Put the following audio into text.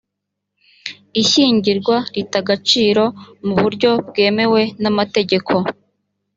ishyingirwa rita agaciro mu buryo bwemewe n’amategeko